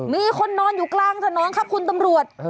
มีคนนอนอยู่กลางถนนครับคุณตำรวจ